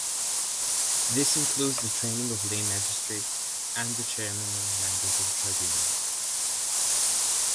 This includes the training of lay magistrates and the chairmen and members of tribunals.